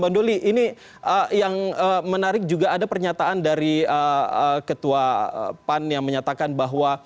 bang doli ini yang menarik juga ada pernyataan dari ketua pan yang menyatakan bahwa